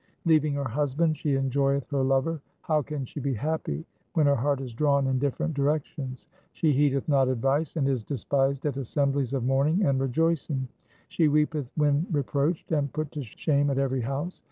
Leaving her husband she enjoyeth her lover. How can she be happy when her heart is drawn in different directions ? She heedeth not advice, and is despised at assemblies of mourning and rejoicing. She weepeth when reproached and put to shame at every house.